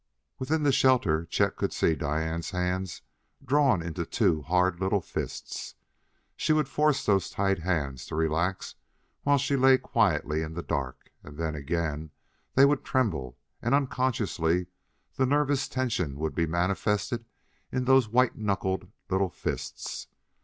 Within the shelter Chet could see Diane's hands drawn into two hard little fists. She would force those tight hands to relax while she lay quietly in the dark; then again they would tremble, and, unconsciously, the nervous tension would be manifested in those white knuckled little fists.